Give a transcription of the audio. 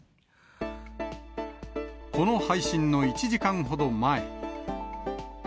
この配信の１時間ほど前。